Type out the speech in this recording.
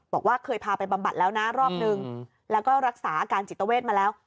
บอกว่าเคยพาไปบำบัดแล้วนะรอบนึงแล้วก็รักษาอาการจิตเวทมาแล้ว